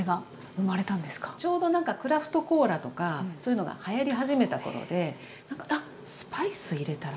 ちょうどなんかクラフトコーラとかそういうのがはやり始めた頃でなんかあっスパイス入れたら？